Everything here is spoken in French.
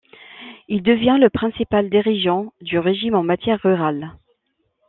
Il devient le principal dirigeant du régime en matière rurale.